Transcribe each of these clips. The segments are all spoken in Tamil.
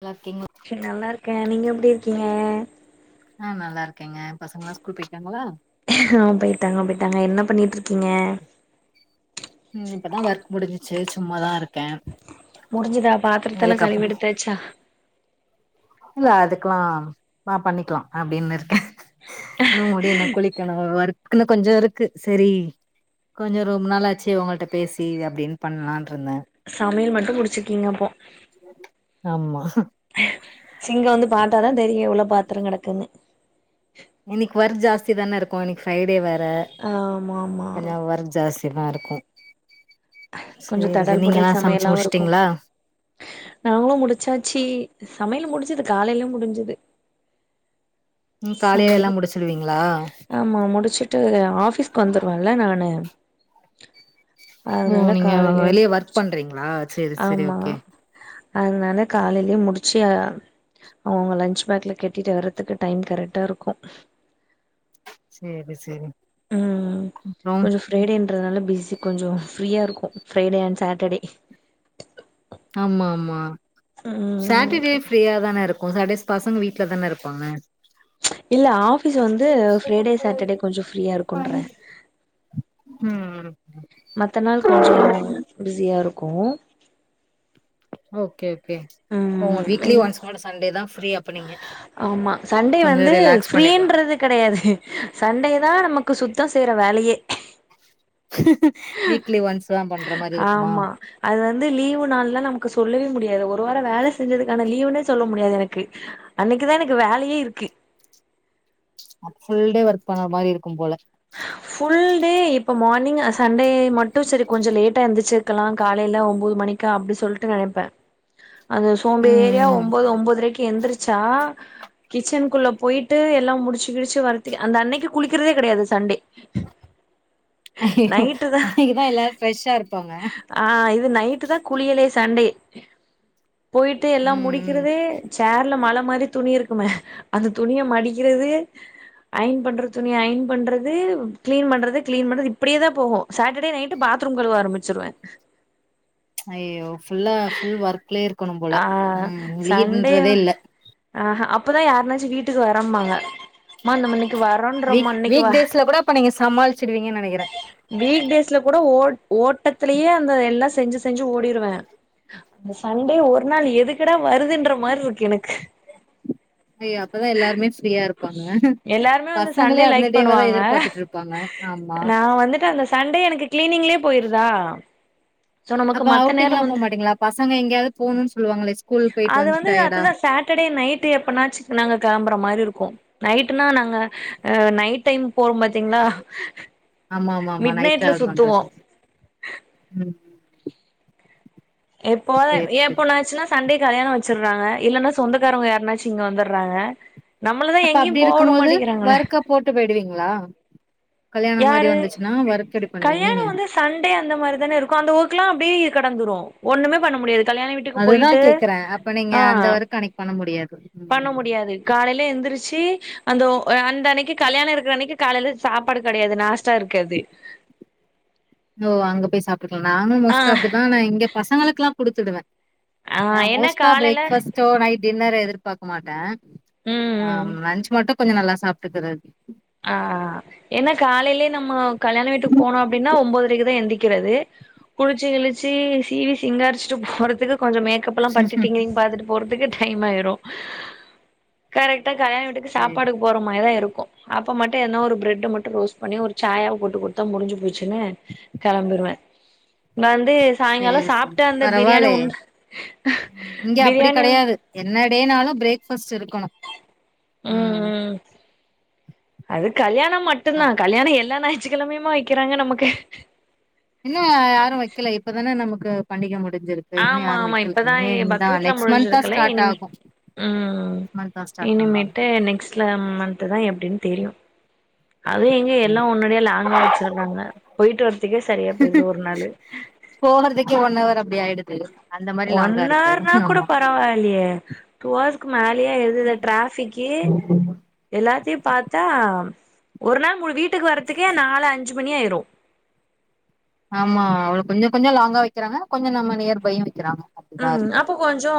நல்லாருக்கிங்ளா நல்லாருக்கே நீங்க எப்டி இருக்கீங்கெ அ நல்லாருக்கேங்க பசங்க எல்லா ஸ்கூல் பொய்ட்டாங்களா அவுங் பொயிட்டாங்க பொய்ட்டாங்க என்ன பண்ணிட்டு இருக்கீங்க ம் இப்பதா ஒர்க் முடுஞ்சிச்சு சும்மாதா இருக் முடுஞ்சுதா பாத்தரத்தெல்லா கழுவி இதுக்கப்புறோ எடுத்தாச்சா இல்ல அதுக்குல்லா அ பண்ணிக்லா அப்டின்னு இருக்கே இன்னு முடியனு குளிக்கணு ஒர்க்குனு கொஞ்சொ இருக்கு செரி கொஞ்சொ ரொம்ப நாள் ஆச்சு ஒங்கள்ட்ட பேசி அப்டின்னு பண்ணலான்றுந்தே சமையல் மட்டு முடுச்சுர்க்கீங்க அப்போ ஆமா சிங்க வந்து பாத்தாதா தெரியு எவ்ளோ பாத்தரொ கெடக்குனு இன்னக்கி ஒர்க் ஜாஸ்தி தானே இருக்கு இன்னெக் ஃப்ரை டே வேற ஆமா ஆமா கொஞ்சொ ஒர்க் ஜாஸ் தா இருக்கு கொஞ்சோ சேரி தடல் சேர் புடல் நீங்கெல்லா சமச்சு சமையலாவு இருக்கு முட்ச்டீங்ளா நாங்களு முடுச்சாச்சி சமையலு முடுஞ்சுது காலைல முடுஞ்சது ம் காலையே எல்லா சமையல் முடுச்சுருவிங்களா ஆமா முடுச்சுட்டு ஆஃபீஸ்க்கு வந்துருவல்ல நானு ஓ அதுனால நீங்க காலைலே வெளிய ஒர்க் முடுஞ்சு பண்றீங்களா சேரி சேரி ஆமா ஓகே அதுனால காலைலே முடுச்சு அ அவுங்க லஞ்ச் பேக்ல கட்டிட்டு வர்றதுக்கு டைம் கரெட்டா இருக்கு சேரி சேரி ம் அப்றோ கொஞ்சொ ஃப்ரைடேன்றதுனால பிஸி கொஞ்சொ ஃப்ரீயா இருக்கு ஃப்ரைடே அண்ட் சாட்டர்டே ஆமா ஆமா ம் சாட்டடே ஃப்ரீயா தான இருக் கு சாட்டேஸ் பாசங்க வீட்ல தான இருப்பாங்க இல்ல ஆஃபீஸ் வந்து ஃப்ரைடே சாட்டடே கொஞ்சொ ஃப்ரீயா இருக்குன்றே ம் மத்த நாள் கொஞ்சொ பிஸியா இருக்கு ஓகே ஓகே அவ்ங்க ம் வீக்லி இந் ஒன்ஸ் மட்டு சண்டே தா ஃப்ரீ அப்ப நீங்க ஆமா சண்டே கொஞ்சொ வந்து ரிலாக்ஸ் பண்ணிக்லா ஃப்ரீன்றது கெடையாது சண்டே தா நமக்கு சுத்தொ செய்ற வேலையே வீக்லி ஒன்ஸ் தா பண்ற மாரி இருக்குமா ஆமா அது வந்து லீவு நாள்லா நமக்கு சொல்லவே முடியாது ஒரு வாரொ வேல செஞ்சதுக்கான லீவுன்னே சொல்ல முடியாது எனக்கு அன்னக்கி தா எனக்கு வேலையே இருக்கு ஃபுல் டே ஒர்க் பண்ணற மாரி இருக்கும் போல ஃபுல் டே இப்ப மார்னிங் க சண்டே மட்டு சரி கொஞ்ச லேட்டா எந்தி ரிச்சிர்க்கலா காலையில ஒம்போது மணிக்க அப்படி சொல்ட்டு நனைப்பே அது ம், சோம்பேரியா ம். ஒம்பது ஒம்பதுரைக்கு எந்திரி ச்சா கிச்சனுக்குள்ள போயிட்டு எல்லா முடிச்சு கிடிச்சு வரத்திக்கே அந்த அன்னைக்கு குளிக்கிறதே கெடையாது சண்டே அஐ்யயோ நைட்டு தா அனைக்குதா எல்லார் ஃப்ரெஷ்ஷா இருப்பாங்க ஆ இது நைட்டு தா குளியலே சண்டே போயிட்டு எல்லா ம், முடிக் ம். கிறது சேர்ல மல மாரி துணி இருக்குமே அந்த துணிய மடிக்கிறது ஐன் பண்ற துணிய ஐன் பண்ற து கிளீன் பண்றது கிளீன் பண்றது இப்படியே தா போகு சாட்டர்டே நைட்டு பாத்ரூம் கழுவ ஆரம்பிச்சிருவே ஐ்யோ ஃபுல்லா ஃபுல் ஒர்க்லயே இருக்கணும் போல ஆ ம் லீவ்ன்றதே இல்ல ஆஹ்ஹ அப்பதா யார்னாச்சு வீட்டுக்கு வரம்பாங்க மா நம்மளுக் டு வரோன் வீக் வீக் டேஸ்ல கூட அப்ப நீங்க சமாள்ச்சுடுவீங்கன் நெனைக்கிறே வீக் டேஸ்ல கூட ஓ ஓட்டத்தலயே அந்த எல்லா செஞ்சு செஞ்சு ஓடிருவே அந்த சண்டே ஒரு நாள் எதுக்குடா வருதுன்ற மாரி இருக்கு எனக்கு ஐயோ அப்பதா எல்லாருமே ஃப்ரீயா இருப்பாங்க எல்லாருமே வந்து பசங்களே சண்டே அந்த லைக் டேவதா பண்ணுவாங்க எதிர்பார்த்துட்டு இரு நா வந்துட்டு அந்த சண்டே எனக்கு கிளீனிக்லயே போயிருதா சோ நமக்கு அப்ப மத்த அவுட்டிங்ல்லா நேரம் போ வந்து மாட்டீங்களா பசங்க எங்கயாவது போகுனுன் சொல்லுவாங்கலே அது வந்து அதுதா சாட்டர்டே நைட்டு எப்பனாச்சு நாங்க களம்புற மாரி இருக்கு நைட்டுனா நாங்க அ நைட் டைம் போறோம் பாத்தீங்ளா ஆமா ஆமா ஆமா நைட் டிரராவல் பண்றே சொார் ம் எப்போது சரி, எப்போ சரி. எண்ணாச்சுன்னா சண்டே கல்யாண வச்சற்றாங்க இல்லன்னா சொந்தக்காரவங்க யார்னாச்சு இங்க வந்தற்றாங்க நம்மளதா அப்ப எங்கேயு அப்டி போ உட இருக்கும்போது மாட்டிக்கிறாங்கள ஒர்க்க போட்டு விடுவீங்களா கல்யாணம் மாரி யாரு வந்துச்சுன்னா வொர்க் எப்படி கல்யாணோ பண்ணுவீங்க வந்து சண்டே அந்த மாரி தானே இருக்கு அந்த ஒர்க் எல்லா அப்படி கடந்துரு ஒண்ணமே பண்ண முடியாது கல்யாண வீட்டுக்கு போயிட்டு அதுதான் கேட்கிறேன். அப்ப நீங்க ஆ அந்த ஒர்க் அன்னைக்கு பண்ண முடியாது. பண்ண ம். முடியாது காலைல எந்திரிச்சு அந்த ஒ அந்த அன்னைக்கு கல்யாண இருக்கிற அன்னைக்கு காலையில சாப் ப்பாட கெடையாது நாஸ்டா இருக்கது ஓ அங்க போய் சாப்ட்டுக்கலா நானு ஆ மோஸ்ட்டா அப்படிதா நா இங்க பசங்களுக்குல்லா குடுத்துடுவே ஆ அ என்ன மோஸ்ட்டா காலையில பிரேக்ஃபஸ் சோ நைட் டின்னரு எதிர்பார்க்க மாட்டே ம் ஆ ம் லன்ச் மட்டு கொஞ்ச நல்லா சாப்ட்டுக்கறது ஆ ஏன்னா காலையிலே நம்ம கல்யாண வீட்டுக் போனோ அப்படின்னா ஒம்போதரைக்குதா எந்திக்கிறது குளிச்சு கிளிச்சு சீவி சிங்காரிச்சிட்டு போறதுக்கு கொஞ்ச மேக்கப் எல்லாம் சேரி பட்டட்டீங்களீனு பாத்துட்டு போறதுக்கே டைம்மாயிரு கரெக்டா கல்யாண வீட்டுக்கு சாப்பாடுக்கு போற மாரிதா இருக்கு அப்ப மட்டு என்ன ஒரு பிரட்ட மட்டு ரோஸ்ட் பண்ணி ஒரு சாயாவ போட்டு கொடுத்தா முடிஞ்சு போச்சுன்னு களம்பிருவே நா வந்து சாய்ங்காலோ சேரி சேரி சாப்ட்டு அந்த பிரியாணி பரவால்லயே உண் இங்க அப்டி பிரியாணி கெடையாது என்ன டேனாலு பிரேக்ஃபாஸ்ட் இருக்கணு ம் ம் அது கல்யாண மட் மட்டுந்தா அப் கல்யாண எல்லா ஞாயிற்றுக்கிழமையுமா வைக்கிறாங்க நமக்கு இன்னு யா யாரு வைக்கல இப்பதான நமக்கு பண்டிக முடிஞ்சிரு ஏ இன்னு ஆமா யாரு ஆமா வைக்கல இப்பதா இனமே இந்தா பக்ரீத்லா நெக்ஸ்ட் மந்த் தா முடிஞ்சிருக்குல்ல ஸ்டார்ட் இனிமே ஆகு ம் நெக்ஸ்ட் மந்த் தா ஸ்டார்ட் பண்ணுவாங்க இனிமேட்டு நெக்ஸ்ட்ல மந்த்த் தா எப்டின்னு தெரியு அதுவு எங்க எல்லா ம் உன்னோடியே லாங்கா வச்சிருறாங்க போயிட்டு வர்றதுக்கே சரியா போயிருது ஒரு நாளு போகற்திக்கே ஒன்னவர் அப்டி ஆயிடுது அந்த மாரி லாங்கா இருக்கு ஒன்னார்னா கூட ஆமா பரவாயில்லியே டூ ஹவர்ஸ்க்கு மேலியே ஆயிருது இந்த டிராஃபிக்கி எல்லாத்தையு பாத்தா ஒரு நாள் முழு வீட்டுக்கு வர்றதுக்கே நாலு அஞ்சி மணி ஆயிரு ஆமா அவுள கொஞ்சோ கொஞ்சோ லாங்கா வைக்கிறாங்க கொஞ்சோ நம்ம நியர் பையு வைக்கிறாங்க அ அப்டிதா இருக்கு அப்போ கொஞ்சோ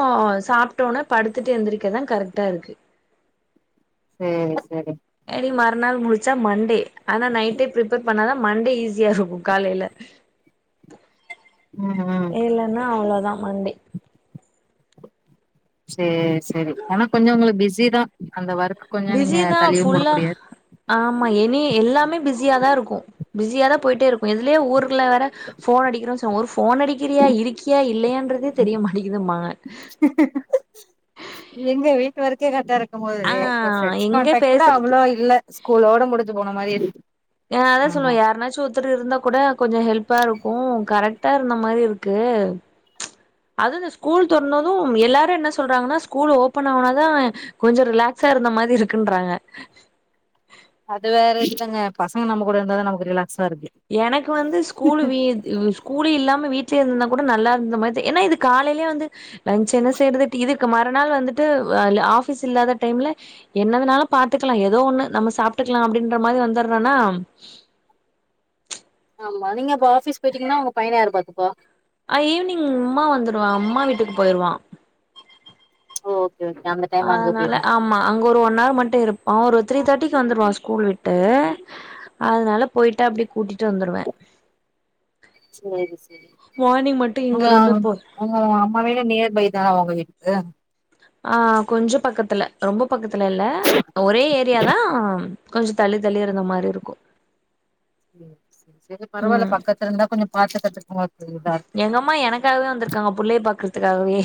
சாப்டோன படுத்துட்டு எந்திருக்க தா கரெக்ட்டா இருக்கு சேரி சரி அடி மறுநாள் முடிச்சா மண்டே ஆனா நைட்டே பிரிப்பர் பண்ணாதா மண்டே ஈஸியா இருக்கு காலேல ம் ம் இல்லனா அவ்ளோதா மன்டே சே சேரி ஆனா கொஞ்சோ உங்ளுக்கு பிஸி தா அந்த ஒர்க்க கொஞ்சோ நீங்க பிஸி தா தள்ளிவு போட ஃபுல்லா முடியா ஆமா எனி எல்லாமே பிஸியாதா இருக்கு பிஸியாதா போயிட்டே இருக்கு எதுலயே ஊர்ல வேற போன் அடிக்கிறோ சோ ஒரு போன் அடிக்கிறியா இருக்கியா இல்லையான்றதே தெரியமாடிக்கிதுமா எங்க வீட்டு வரைக்கே கரெக்டா இரு இருக்மோது ஆ இப்ப பிரண்ட்ஸ் எங்க காண்டாக்ட் கூட பேசுறதுக்கு அவ்ளோ இல்ல ஸ்கூலோட முடிச்சி போன மாரி இருக்கு யார்னா சொல்வாங்க யாருனாசுத் ஒருத்தர் இருந்தா கூட கொஞ்ச ஹெல்ப்பா இருக்கு கரெக்டா இருந்த மாரி இருக்கு அதுவு இந்த ஸ்கூல் பொறந்தது எல்லாரு என்ன சொல்றாங்கன்னா ஸ்கூல் ஓபன் ஆவுனாதா கொஞ்சோ ரிலாக்ஸா இருந்த மாதிரி இருக்குன்றாங்க அது வேற இல்லங்க பசங்க நம்மோ கூட இருந்தாதான நமக்கு ரிலாக்ஸா இருக்கு எனக்கு வந்து ஸ்கூல் விது இவு ஸ்கூலு இல்லாம வீட்லேயே இருந்துருந்தா கூட நல்லா இருந்த மாதி ஏனா இது காலேல வந்து லன்ச் என்ன செய்றதுட்டு இதுக்கு மறுநாள் வந்துட்டு் அவ் இல்ல ஆபிஸ் இல்லாத டைம்ல என்னதுனால பாத்துக்கிலா ஏதோ ஒன்னு நம்ம சாப்ட்டுக்கிலா அப்டின்ற மாரி வந்தற்றனா ஆமா நீங்க அப்ப ஆபீஸ் பேயிட்டீங்னா உங்க பையன யாரு பாத்துப்பா அது ஈவினிங் உம்மா வந்துடுவாஅம்மா வீட்டுக்கு போயிருவா [unintelligible] ஆ அதனால போயிரணு ஆம் ஆமா அங்க ஒரு ஒன் ஹவர் மட்டு இருப்பா ஒரு த்ரி தேர்ட்டிக்கு வந்துருவா ஸ்கூல் விட்டு அதுனாலப் போயிட்டு அப்டி கூட்டிட்டு வந்துருவ சேரி சேரி மார்னிங் மட்டு இங்க உங்க இருந்து போய் உங்க அம்மா விடு இங்கே நியர் பை தா உங்க வீட்டுக்கு ஆ கொஞ்சோ பக்கத்தில்ல ரொம்ப பக்கத்தில்ல இல்ல ஒரே ஏரியாதா ஆம் கொஞ்ச தள்ளி தள்ளி இருந்த மாரி இருக்கு சேரி பரவாயில்ல ம் பக்கத்தில இருந்தா கொஞ்சம் பாத்துகிறதுக்கு அது எங்கம்மா எனக்காகவே வந்திருக்காங்க புள்ளைய பாக்கறதுக்காகவே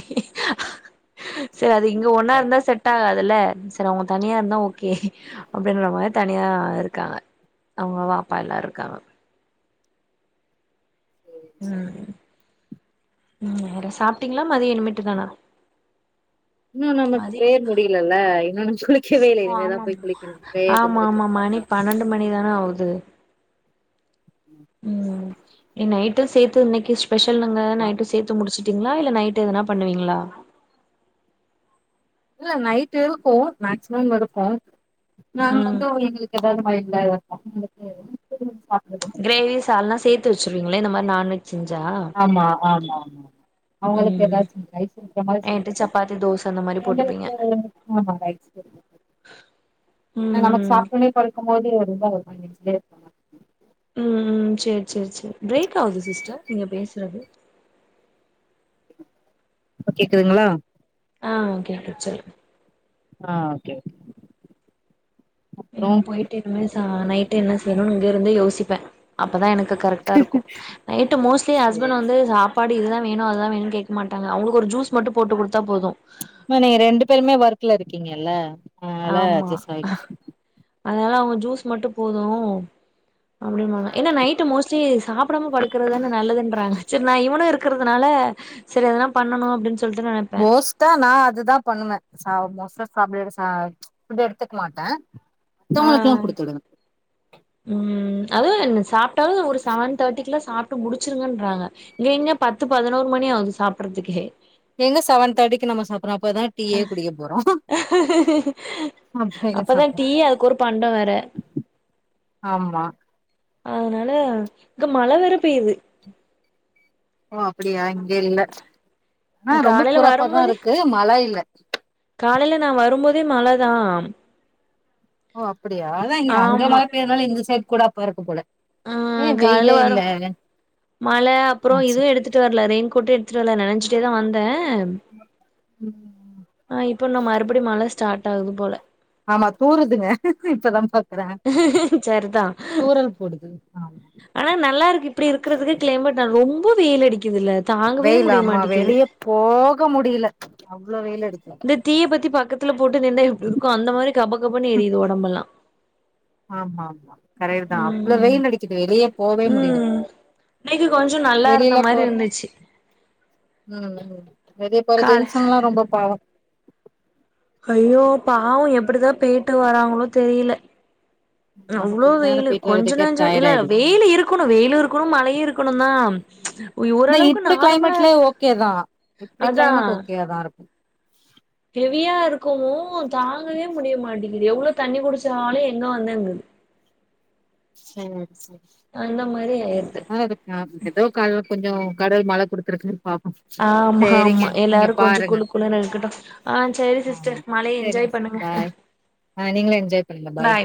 சர் அது இங்க ஒன்னா இருந்தா செட் ஆகாதுல்ல சர் அவங்க தனியா இருந்தா ஓகே அப்டின்ற மாரி தனியா இருக்காங்க அவங்க வாப்பா எல்லாரு இருக்காங்க சேரி சேரி உம் உம் வேற சாப்டீங்ளா மதியோ இனுமேட்டு தானா இன்னு நமக்கு மதிய பிரேயர் முடியலல்ல இன்னொன்னு குளிக்கவே இல்லை ஓ இனிமே தா போய் ஆமாமா குளிக்கணு பிரேயத்த ஆமா ஆமா முடிச்சிட்டா மணி சா பன்னெண்டு மணிதான ஆவுது எ நைட் டு சேத்து இன்னக்கி ஸ்பெஷல்ன்ங்க அப்றோ நைட்டு சேத்து முடிச்சுட்டீங்ளா இல்ல நைட்டு எதனா பண்ணுவீங்ளா இல்ல நைட் இருக்கு மேக்சிமம் இருக்கு நாங்க ம் வந்தோ எங்களுக்கு எதாவுது டைண்ல பசங்களுக்கு எதனா [unintelligible] கிரேவி சால்னா சேத்து வச்சுருவீங்களா இந்த மாரி நான்வெஜ் செஞ்சா ஆமா ஆமா ஆமா அவுங்களுக்கு ம் ஏதாச்சு ரைஸ் இருக்குற மாரி நைட்டு செஞ்சுப்பே சப்பாத்தி தோச அந்த மாரி போட்டுப்பீங்க எங்களுக்கு ஆமா ரைஸ் நமக்கு ம் சாப்ட்டன்னே படுக்கு போது ஒரு இதா ஒரு மாரி நெஞ்சிலே இருக்க மாரி ம் ம் சேரி சேரி சேரி பிரேக் ஆகுது சிஸ்டர் நீங்க பேசுறது இப்ப கேக்குதுங்ளா ஆ ஓகே ஓகே சொல்லுங்க ஆ ஓகே ஓகே நம்ம போயிட்டு இனிமே சா நைட்டு என்ன செய்ணு இங்க இருந்து யோசிப்ப அப்பதா எனக்கு கரெக்டா இருக்கு நைட்டு மோஸ்ட்லி ஏ ஹஸ்பண்ட் சேரி வந்து சேரி சாப் சப்பாடு இதுதா வேணு அதுதா வேணுனு கேக்க மாட்டாங்க அவுங்களுக்கு ஒரு ஜூஸ் மட்டு போட்டு குடுத்தா போது நீங்க ரெண்டு பேருமே ஒர்க்ல இருக்கீங்கல்ல அதனால ஆமா அட்ஜஸ்ட் ஆயிடு அதனால அவங்க ஜூஸ் மட்டு போது அப்டிம்மாங்க ஏனா நைட் மோஸ்ட்லி சாப்பிடாம படுக்கறதான நல்லதுன்றாங்க சரி நா இவனு இருக் இருக்குறதுனால சரி எதனா பண்ணணு அப்டின்னு சொ போஸ் த்தா நா அதுதா பண்ணுவ ச மோஸ்டா சாப் ஃபுட் எடுத்துக்க மாட்ட ஆ ம் அதுவு என்ன சாப் டாலு ஒரு செவன் தேர்டிக்குல சாப் ட்டு முடிச்சிருங்கன்றாங்க இங்க இங்க பத்து பதினோரு மணி ஆகுது சாப்பிறதுக்கே எங்க செவன் தேட்டிக்கு நம்ம சாப்றோ அப்பதா டீயே குடிக்க போறோ [unintelligible] அப்ப எங்க அப்பதா சாப்ட டீ அதுக்கு ஒரு பண்ட வேற ஆமா அதனால இங்க மழ வேற பெய்து ஓ அப்டியா இங்க இல்ல ஆனா ரொம்ப காலைல குறப்பாதா இருக்கு மழ இல்ல காலையில நா வருபோதே மழதா ஓ அப்டியா அதா இங்க அங்க ஆமா மழயிருனால இந்த சைட் கூட அப்ப இருக்கு போல ஆ ஏ காலைல வெயிலே வரோ இல்ல மழ அப்றோ இதுவு எடுத்துட்டு வரல ரெயின் கோட் த்துட்டு வரல நெனச்சிட்டே தா வந்தே ம் இப்ப நா மறுபடியு மழ ஸ்டாட் டா ஆகு போல ஆமா தூறுதுங்க இப்பதா பாத் செர்தா போடுது ஆமா ஆனா நல்லா இருக்கு இப்டி இருக்கிறதுக்கு கிளைமேட் நா ரொம்ப வெயில் அடிக்குதுல்ல தாங்கவே வெயில் ஆமா முடியமாட்டிக்குது வெளிய போக முடியல அவ்ளோ வெயில் அடிக்கு இந்த தீய பத்தி பக்கத்துல போட்டு நின்னா எப்டி இருக்கு அந்த மாரி கப கபன்னு எரியுது ஒடம்பெல்லா ஆமா ஆமா கரையர் தா அவ்ளோ ம் வெயில் அடிக்குது வெளியே போவே முடில இன்னக்கி கொஞ்சோ நல்லா இருந்த மாரி இருந்துச்சு ம் ம் வெளில போய் கால ஜென்ஸ்ங்கெல்லா ரொம்ப பாவோ ஐயோ பாவோ எப்டிதா பேய்ட்டு வராங்களோ தெரியில நம்ம அவ்ளோ கொஞ்ச நேரம் வெயிலு போயிட்டு கொஞ்சோ வர்றதுக்கே நஞ்சோ டயர்ட் இல்ல ஆயிடுது வெயில் இருக்கு க்கனு வெயிலு இருக்கனு மழையு இருக்கனு தா ஒய் ஆனா ஓரளவுக்கு இப்டி நார்மலா கிளைமேட்ல இரு அதா தா நார் ஹெவியா இருக்குமோ தாங்கவே முடிய மாட்டேங்குது எவ்ளோ தண்ணி குடிச்சாலு எங்க வந்தேங்குது செரி செரி அந்த மாதிரி ஆயிடுது ஆ இருக்க ஏதோ கட கொஞ்சோ கடவுள் மழ குடுத்துருக்கு பாப்போ ஆ ஆமா ஆமா எல்லாரு கொஞ்சோ குழு குழுனு இருக்கட்டு ஆ செரி ஆமா சிஸ்டர் மழைய சேரிங்க என்ஜாய் சார் பண்ணுங்க பாய் ஆ நீங்களு என்ஜாய் பண்ணுங்க பாய்